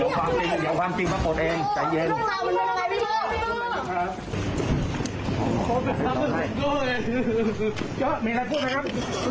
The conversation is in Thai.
เข้าไปทำหรือมากเลยมีอะไรพูดนะครับ